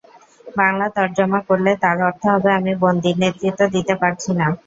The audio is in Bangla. বাংলা তরজমা করলে তার অর্থ হবে—আমি বন্দী, নেতৃত্ব দিতে পারছি না।